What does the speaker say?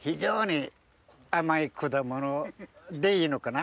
でいいのかな？